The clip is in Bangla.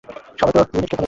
সবাই তো লিনেটকে ভালোবাসত!